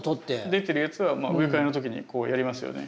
出てるやつは植え替えの時にこうやりますよね。